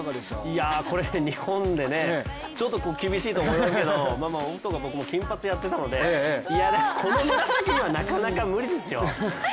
いや、これ日本でね、ちょっと厳しいと思いますけど僕とかも金髪やってたのででもこの紫はなかなか無理ですよ。